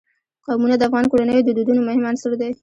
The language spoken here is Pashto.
قومونه د افغان کورنیو د دودونو مهم عنصر دی.